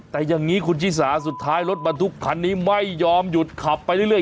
แต่อย่างนี้คุณชิสาสุดท้ายรถบรรทุกคันนี้ไม่ยอมหยุดขับไปเรื่อย